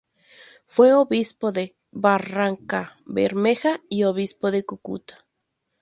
Fue obispo de Barrancabermeja y Obispo de Cúcuta.